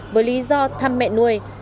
với lý do thăm mẹ nuôi